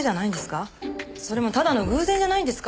それもただの偶然じゃないんですか？